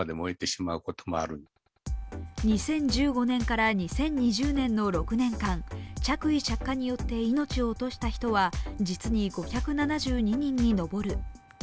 ２０１５年から２０２０年の６年間、着衣着火によって命を落とした人は実に５７２人に上る。